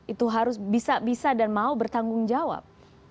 itu harus bisa bisa dan mau bertanggung jawab